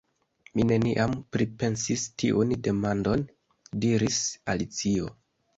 "Mi neniam pripensis tiun demandon," diris Alicio.